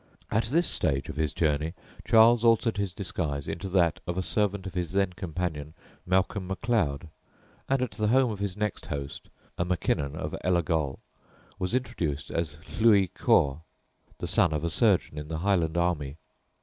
At this stage of his journey Charles altered his disguise into that of a servant of his then companion Malcolm Macleod, and at the home of his next host (a Mackinnon of Ellagol) was introduced as "Lewie Caw," the son of a surgeon in the Highland army.